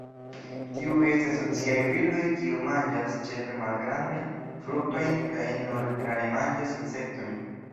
Tiuj estas sociaj birdoj kiuj manĝas ĉefe malgrandajn fruktojn kaj nur rare manĝas insektojn.